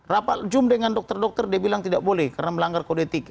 rapat jum dengan dokter dokter dia bilang tidak boleh karena melanggar kodetik